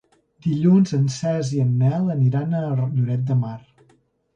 Dilluns en Cesc i en Nel aniran a Lloret de Mar.